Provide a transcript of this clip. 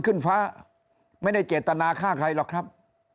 ขึ้นฟ้าไม่ได้เจตนาฆ่าใครหรอกครับ